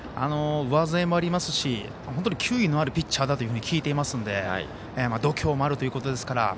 上背もありますし本当に球威のあるピッチャーだというふうに聞いてますので度胸もあるということですから